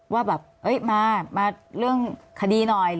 ว่าแบบมาเรื่องคดีหน่อย